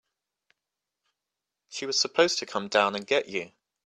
She was supposed to come down and get you.